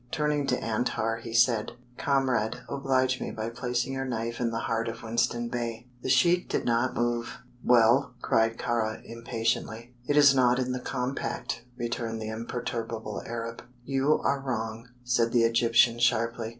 Turning to Antar, he said: "Comrade, oblige me by placing your knife in the heart of Winston Bey." The sheik did not move. "Well?" cried Kāra, impatiently. "It is not in the compact," returned the imperturbable Arab. "You are wrong," said the Egyptian, sharply.